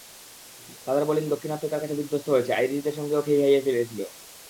তাদের বোলিং দক্ষিণ আফ্রিকার কাছে বিধ্বস্ত হয়েছে, আইরিশদের সঙ্গেও খেই হারিয়ে ফেলেছিল।